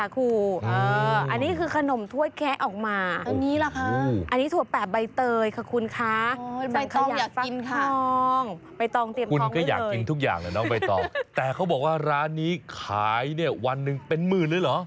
คุณก็อยากกินทุกอย่างแหละน้องใบตองแต่เขาบอกว่าร้านนี้ขายเนี่ยวันหนึ่งเป็นหมื่นเลยเหรอ